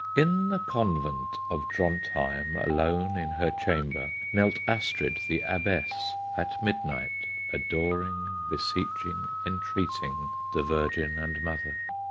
In the convent of Drontheim, Alone in her chamber Knelt Astrid the Abbess, At midnight, adoring, Beseeching, entreating The Virgin and Mother.